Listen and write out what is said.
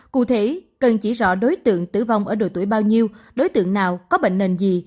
cụ thể cần chỉ rõ đối tượng tử vong ở độ tuổi bao nhiêu đối tượng nào có bệnh nền gì